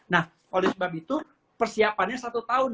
nah oleh sebab itu persiapannya satu tahun